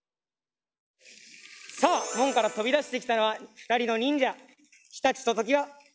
さあ門から飛び出してきたのは２人の忍者常陸と常磐。